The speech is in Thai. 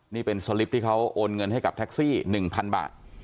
นี่เป็นสลิปที่เขาโอนเงินให้กับแท็กซี่๑๐๐๐บาท